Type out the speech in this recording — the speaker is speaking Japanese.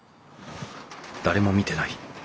誰も見てない。